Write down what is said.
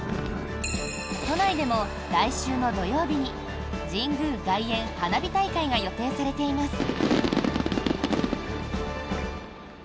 都内でも来週の土曜日に神宮外苑花火大会が予定されています。